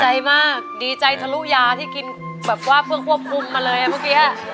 ดีใจมากดีใจทะลุยาที่กินแบบว่าเพื่อควบคุมมาเลย